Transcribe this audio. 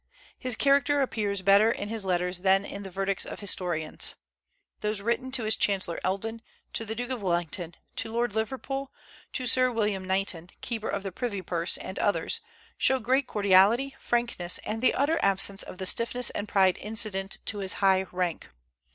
His character appears better in his letters than in the verdicts of historians. Those written to his Chancellor Eldon, to the Duke of Wellington, to Lord Liverpool, to Sir William Knighton, keeper of the privy purse, and others, show great cordiality, frankness, and the utter absence of the stiffness and pride incident to his high rank.